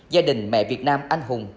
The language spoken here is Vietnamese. gia đình mẹ việt nam anh hùng